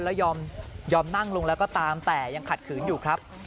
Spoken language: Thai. แล้วยอมนั่งลงแล้วก็ตามแต่ยังขัดขืนอยู่ครับ